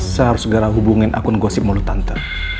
saya harus segera hubungin akun gosip mulut tante